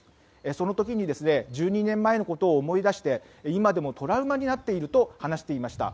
その時に、１２年前のことを思い出して今でもトラウマになっていると話していました。